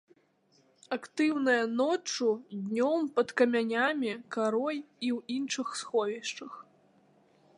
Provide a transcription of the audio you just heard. Актыўная ноччу, днём пад камянямі, карой і ў іншых сховішчах.